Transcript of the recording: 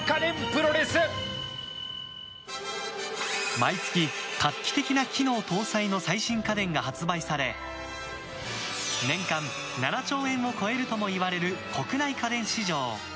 毎月、画期的な機能搭載の最新家電が発売され年間７兆円を超えるともいわれる国内家電市場。